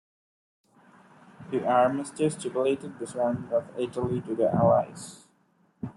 The armistice stipulated the surrender of Italy to the Allies.